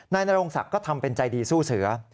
นายนรงศักดิ์ก็ทำเป็นใจดีสู้เสือ